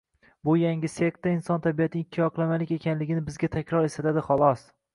Bu eng yangi sekta inson tabiatining ikkiyoqlamalik ekanligini bizga takror eslatadi, xolos